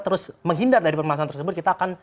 terus menghindar dari permasalahan tersebut kita akan